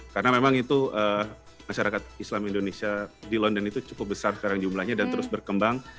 karena memang itu masyarakat islam indonesia di london itu cukup besar sekarang jumlahnya dan terus berkembang